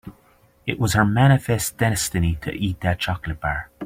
It was her manifest destiny to eat that chocolate bar.